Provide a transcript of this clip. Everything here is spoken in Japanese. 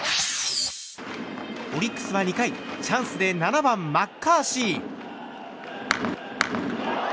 オリックスは２回チャンスで７番、マッカーシー。